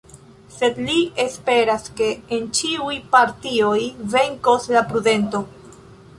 Sed li esperas ke en ĉiuj partioj venkos la prudento.